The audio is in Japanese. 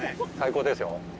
最高ですよ。